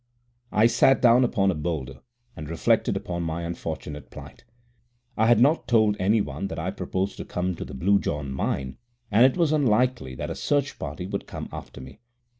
I sat down upon a boulder and reflected upon my unfortunate plight. I had not told anyone that I proposed to come to the Blue John mine, and it was unlikely that a search party would come after me.